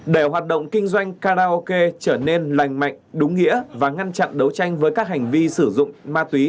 để hoạt động kinh doanh karaoke trở nên lành mạnh đúng nghĩa và ngăn chặn đấu tranh với các hành vi sử dụng ma túy